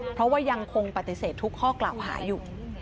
เพราะว่ายังคงปฏิเสธทุกข้อกล่าวหาอยู่